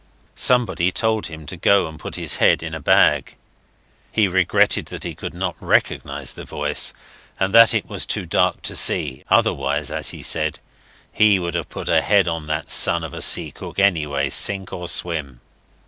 Somebody told him to go and put his head in a bag. He regretted he could not recognize the voice, and that it was too dark to see, otherwise, as he said, he would have put a head on that son of a sea cook, anyway, sink or swim.